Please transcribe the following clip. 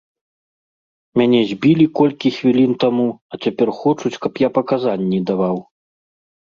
Мяне збілі колькі хвілін таму, а цяпер хочуць, каб я паказанні даваў!